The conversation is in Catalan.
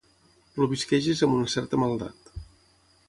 Plovisquegis amb una certa maldat.